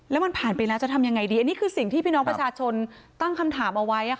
แล้วมันผ่านไปแล้วจะทำยังไงดีอันนี้คือสิ่งที่พี่น้องประชาชนตั้งคำถามเอาไว้